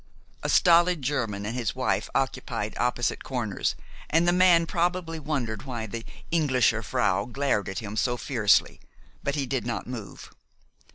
A stolid German and his wife occupied opposite corners, and the man probably wondered why the Englischer frau glared at him so fiercely. But he did not move.